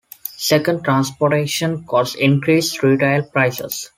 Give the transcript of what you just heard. Second, transportation costs increase retail prices.